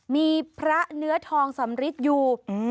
มีพระเนื้อทองสำริทอยู่